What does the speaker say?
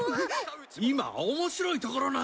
今面白いところなんだ。